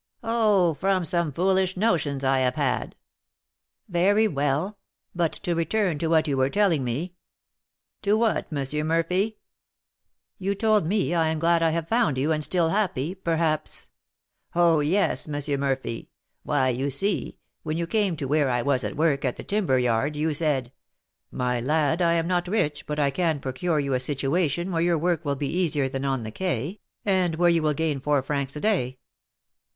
"Oh, from some foolish notions I have had." "Very well. But to return to what you were telling me " "To what, M. Murphy?" "You told me, I am glad I have found you, and still happy, perhaps " "Oh, yes, M. Murphy! Why, you see, when you came to where I was at work at the timber yard, you said, 'My lad, I am not rich, but I can procure you a situation where your work will be easier than on the Quai, and where you will gain four francs a day.'